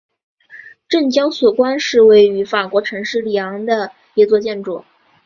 证交所宫是位于法国城市里昂的一座建筑。